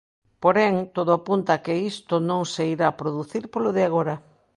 Porén, todo apunta a que isto non se irá producir polo de agora.